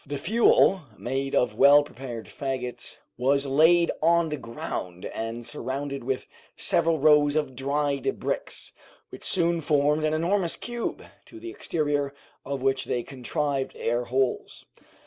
The fuel, made of well prepared fagots, was laid on the ground and surrounded with several rows of dried bricks, which soon formed an enormous cube, to the exterior of which they contrived air holes.